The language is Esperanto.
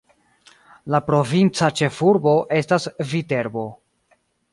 La provinca ĉefurbo estas Viterbo.